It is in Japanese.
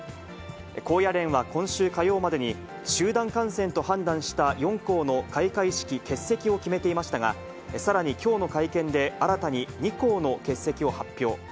高野連は今週火曜までに、集団感染と判断した４校の開会式欠席を決めていましたが、さらにきょうの会見で、新たに２校の欠席を発表。